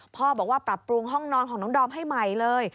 พ่อบอกว่าปรับปรุงห้องนอนของน้องดอมให้ใหม่เลย